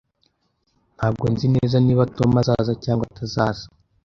Ntabwo nzi neza niba Tom azaza cyangwa atazaza